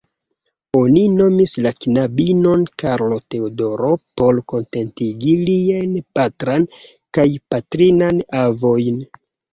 Oni nomis la knabon Karlo-Teodoro por kontentigi liajn patran kaj patrinan avojn.